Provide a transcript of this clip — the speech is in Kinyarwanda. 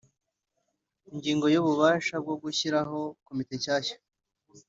ingingo y ububasha bwo gushyiraho komite shyashya